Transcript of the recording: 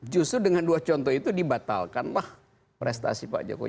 justru dengan dua contoh itu dibatalkanlah prestasi pak jokowi